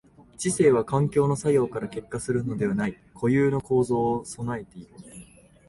知性は環境の作用から結果するのでない固有の構造を具えている。